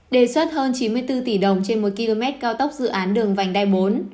đề xuất hơn chín mươi bốn tỷ đồng trên một km cao tốc dự án đường vành đai bốn